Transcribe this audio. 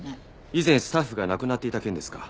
以前スタッフが亡くなっていた件ですか？